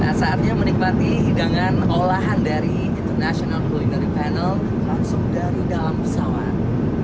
nah saatnya menikmati hidangan olahan dari international culinary panel langsung dari dalam pesawat